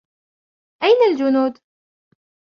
أين الجنود ؟